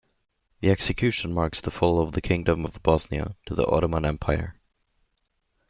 The execution marks the fall of the Kingdom of Bosnia to the Ottoman Empire.